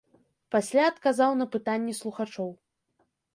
Пасля адказаў на пытанні слухачоў.